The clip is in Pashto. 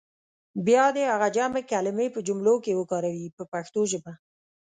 بیا دې هغه جمع کلمې په جملو کې وکاروي په پښتو ژبه.